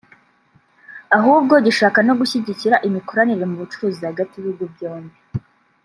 ahubwo gishaka no gushyigikira imikoranire mu bucuruzi hagati y’ibihugu byombi